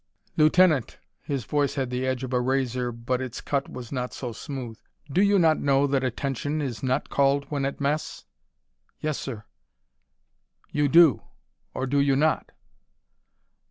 "Lieutenant," his voice had the edge of a razor but its cut was not so smooth, "do you not know that attention is not called when at mess?" "Yes, sir." "You do, or you do not?"